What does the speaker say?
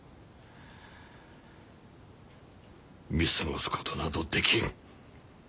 見過ごすことなどできん。